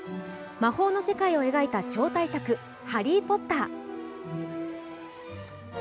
魔法の世界を描いた超大作「ハリー・ポッター」